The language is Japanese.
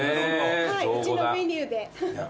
うちのメニューで。